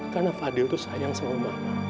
karena fadil tuh sayang sama mama